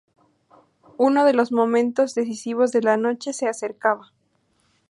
Uno de los momentos decisivos de la noche se acercaba.